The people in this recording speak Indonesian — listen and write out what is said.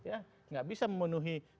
enggak bisa memenuhi tiga